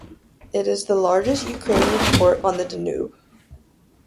It is the largest Ukrainian port on the Danube.